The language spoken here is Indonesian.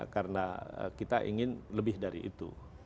karena kita ingin lebih dari itu